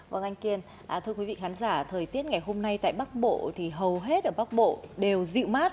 vâng anh kiên thưa quý vị khán giả thời tiết ngày hôm nay tại bắc bộ thì hầu hết ở bắc bộ đều dịu mát